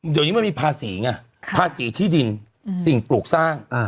เดี๋ยวนี้มันมีภาษีไงภาษีที่ดินสิ่งปลูกสร้าง